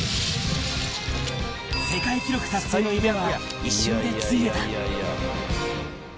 世界記録達成の夢は、一瞬でついえた。